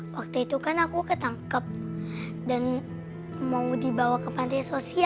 waktu itu kan aku ketangkep dan mau dibawa ke pantai sosial